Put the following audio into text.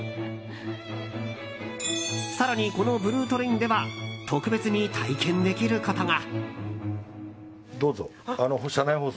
更に、このブルートレインでは特別に体験できることが。